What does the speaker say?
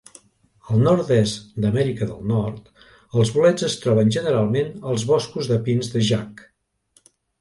Al nord-est d'Amèrica del Nord, els bolets es troben generalment als boscos de pins de Jack.